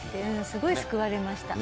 すごい救われました。